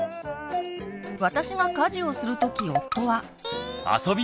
私が家事をするとき夫は。